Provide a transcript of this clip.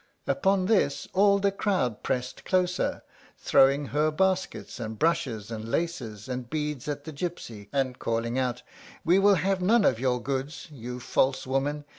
Upon this all the crowd pressed closer, throwing her baskets, and brushes, and laces, and beads at the gypsy, and calling out, "We will have none of your goods, you false woman!